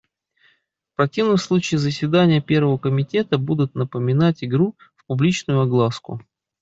В противном случае заседания Первого комитета будут напоминать игру в публичную огласку.